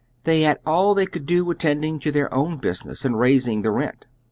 They had all they could do attending to their own business and raising the rent.